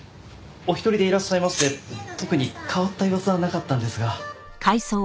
お一人でいらっしゃいまして特に変わった様子はなかったんですが。